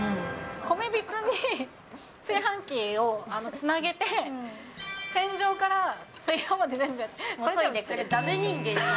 米びつに炊飯器をつなげて、洗浄から炊飯まで全部やってくれる。